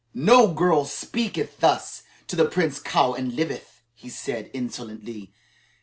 "No girl speaketh thus to the Prince Kaou and liveth," he said insolently.